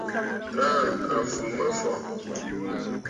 Tàa à fù mə afɔ̀.